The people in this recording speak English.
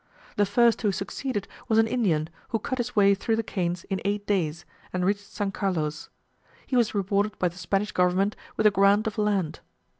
The first who succeeded was an Indian, who cut his way through the canes in eight days, and reached S. Carlos: he was rewarded by the Spanish government with a grant of land.